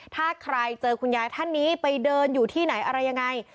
ถ้าใครเจอคุณยายท่านนี้ไปเดินอยู่ที่ไหนอะไรยังไง